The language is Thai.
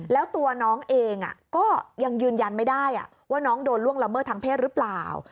แล้วตัวน้องเองก็ยังยืนยันไม่ได้ว่าน้องโดนล่วงละเมิดทางเพศหรือเปล่า